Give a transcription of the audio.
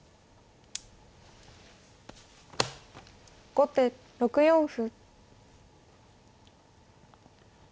後手６四歩。